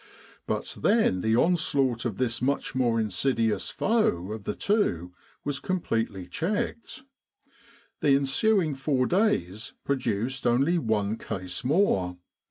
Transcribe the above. But then the onslaught of this much more insidious foe of the two was completely checked. The ensuing four days produced only one case more.